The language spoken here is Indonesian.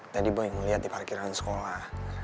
tadi boy ngeliat di parkiran sekolah